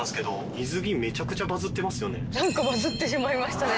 何かバズってしまいましたね。